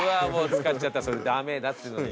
使っちゃったらそれダメだっていうのに。